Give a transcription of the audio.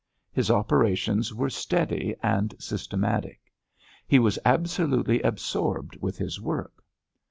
His operations were steady and systematic. He was absolutely absorbed with his work.